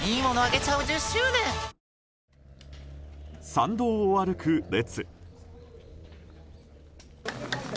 山道を歩く列。